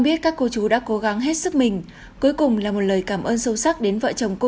biết các cô chú đã cố gắng hết sức mình cuối cùng là một lời cảm ơn sâu sắc đến vợ chồng cô